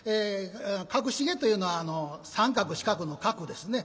角重というのは三角四角の「角」ですね。